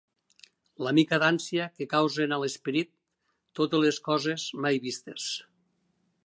La mica d'ànsia que causen a l'esperit totes les coses mai vistes